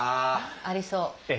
ありそう。